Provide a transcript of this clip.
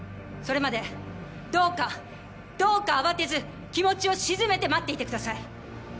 それまでどうかどうか慌てず気持ちを静めて待っていてください！